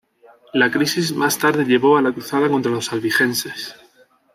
La crisis más tarde llevó a la cruzada contra los albigenses.